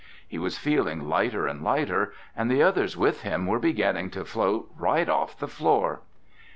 He was feeling lighter and lighter, and the others with him were beginning to float right off the floor!